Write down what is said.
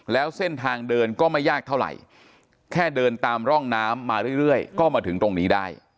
แล้วเส้นทางเดินก็ไม่ยากเท่าไหร่แค่เดินตามร่องน้ำมาเรื่อยก็มาถึงตรงนี้ได้